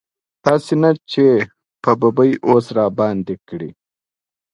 داسې نه چې په ببۍ اوس راباندې کړي.